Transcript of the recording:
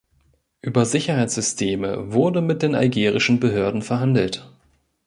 Über Sicherheitssysteme wurde mit den algerischen Behörden verhandelt.